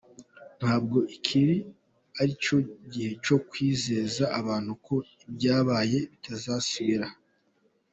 "Ntabwo iki ari cyo gihe cyo kwizeza abantu ko ibyabaye bitazasubira".